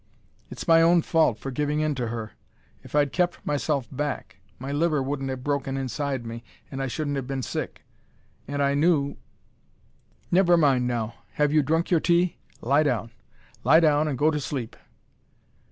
"It's my own fault, for giving in to her. If I'd kept myself back, my liver wouldn't have broken inside me, and I shouldn't have been sick. And I knew " "Never mind now. Have you drunk your tea? Lie down. Lie down, and go to sleep."